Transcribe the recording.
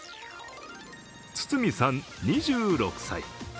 筒泉さん、２６歳。